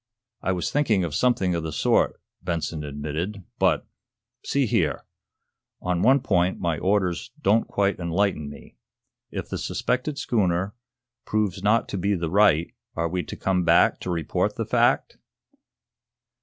"I was thinking of something of the sort," Benson admitted. "But see here! On one point my orders don't quite enlighten me. If the suspected schooner proves not to be the right are we to come back to report the fact?"